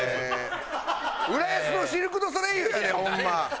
浦安のシルク・ドゥ・ソレイユやでホンマ。